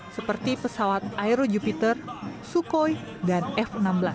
seperti pesawat aero jupiter sukhoi dan f enam belas